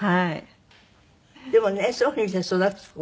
でもねそういう風にして育つ子はいいですよね